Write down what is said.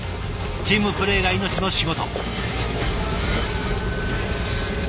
チームプレーが命の仕事。